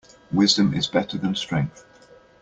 Wisdom is better than strength.